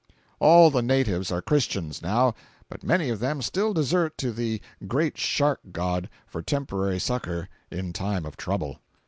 All the natives are Christians, now, but many of them still desert to the Great Shark God for temporary succor in time of trouble.